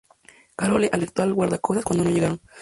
Carole alertó al Guardacostas cuando no llegaron.